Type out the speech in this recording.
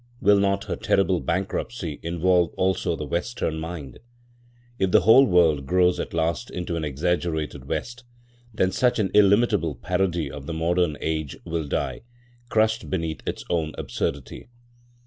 Will not her terrible bankruptcy involve also the Western mind? If the whole world grows at last into an exaggerated West, then such an illimitable parody of the modern age will die, crushed beneath its own absurdity.